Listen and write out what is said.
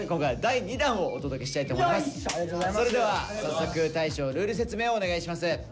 それでは早速大昇ルール説明をお願いします。